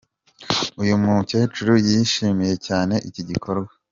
Uyu mukecuru yishimiye cyane iki gikorwa.